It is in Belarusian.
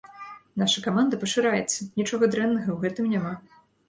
Наша каманда пашыраецца, нічога дрэннага ў гэтым няма.